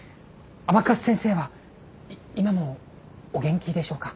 甘春先生は今もお元気でしょうか？